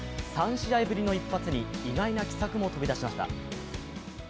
３試合ぶりの一発に意外な奇策も飛び出しました。